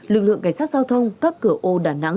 lực lượng cảnh sát giao thông các cửa ô đà nẵng